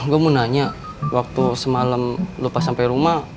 gue mau nanya waktu semalam lo pas sampai rumah